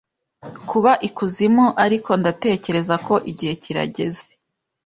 Kuba ikuzimu ariko ndatekereza ko igihe kirageze